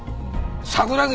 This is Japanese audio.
桜木